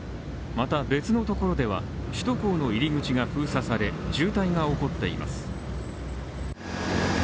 また別のところでは、首都高の入口が封鎖され、渋滞が起こっています。